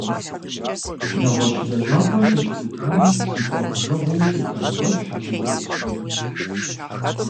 Нэгъуэщӏ лэжьапӏэ сыщыӏутам си кӏуэгъужэгъуу щыта гуэрщ зи гугъу сщӏыр.